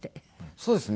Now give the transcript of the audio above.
そうですね。